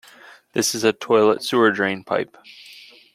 This is a toilet sewer drain pipe.